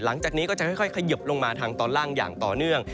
หลังจากนี้ก็จะค่อยขยบลงมาทางตอนล่างอย่างต่อเนื่อง